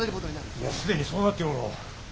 いや既にそうなっておろう。